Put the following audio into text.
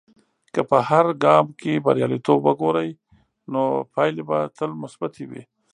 که په هر ګام کې بریالیتوب وګورې، نو پایلې به تل مثبتي وي.